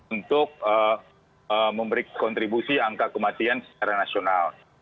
untuk memberi kontribusi angka kematian secara nasional